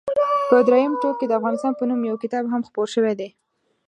په درېیم ټوک کې د افغانستان په نوم یو کتاب هم خپور شوی دی.